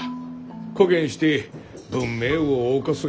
こげんして文明をおう歌すっ